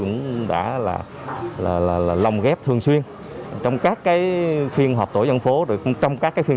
cũng đã là là là lòng ghép thường xuyên trong các cái phiên hợp tổ dân phố rồi trong các cái phiên